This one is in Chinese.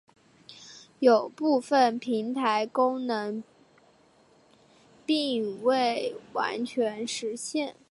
有部分平台功能并没有完全实现。